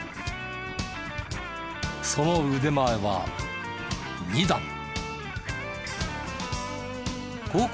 その腕前は２段！に所属。